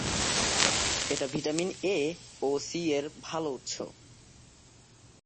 এটি vitamin A ও C এর ভাল উৎস।